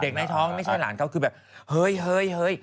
ในท้องไม่ใช่หลานเขาคือแบบเฮ้ย